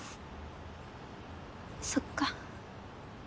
そっか。